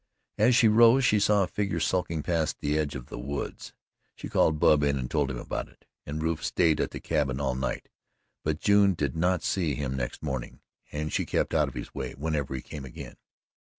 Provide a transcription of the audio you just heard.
As she rose she saw a figure skulking past the edge of the woods. She called Bub in and told him about it, and Rufe stayed at the cabin all night, but June did not see him next morning, and she kept out of his way whenever he came again.